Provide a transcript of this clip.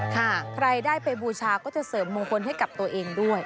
ใครได้ไปบูชาก็จะเสริมมงคลให้กับตัวเองด้วย